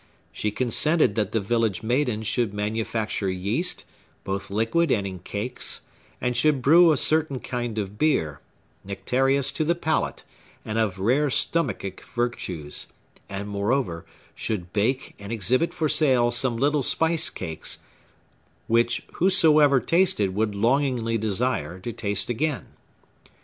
She consented that the village maiden should manufacture yeast, both liquid and in cakes; and should brew a certain kind of beer, nectareous to the palate, and of rare stomachic virtues; and, moreover, should bake and exhibit for sale some little spice cakes, which whosoever tasted would longingly desire to taste again.